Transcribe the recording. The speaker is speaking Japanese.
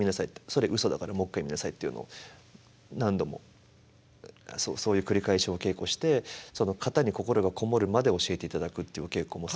それうそだからもう一回見なさい」っていうのを何度もそういう繰り返しお稽古してその型に心が籠もるまで教えていただくっていうお稽古も。